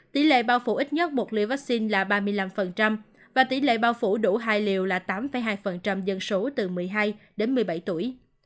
tỷ lệ bao phủ ít nhất một liều vaccine là ba mươi năm và tỷ lệ bao phủ đủ hai liều là tám hai dân số từ một mươi hai đến một mươi bảy tuổi